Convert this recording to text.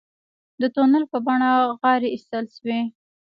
د تونل په بڼه غارې ایستل شوي.